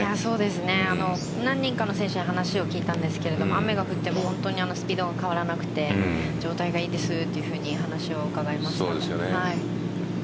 何人かの選手に話を聞いたんですが雨が降ってもスピードが変わらなくて状態がいいですと話を伺いました。